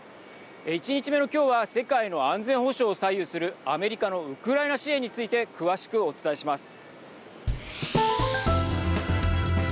１日目の今日は世界の安全保障を左右するアメリカのウクライナ支援について詳しくお伝えします。